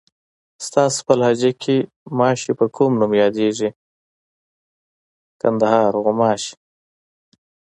ستاسو په لهجه کې ماشې په کوم نوم یادېږي؟